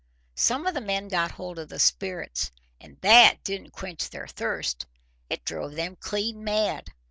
Some of the men got hold of the spirits, and THAT didn't quench their thirst. It drove them clean mad.